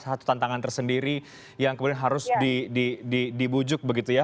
satu tantangan tersendiri yang kemudian harus dibujuk begitu ya